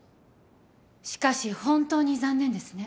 しかし本当に残念ですね。